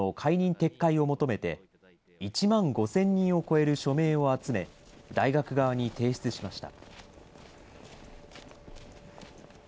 撤回を求めて、１万５０００人を超える署名を集め、大学側に提出しました。